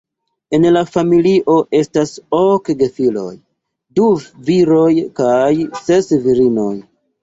En la familio estis ok gefiloj, du viroj kaj ses virinoj.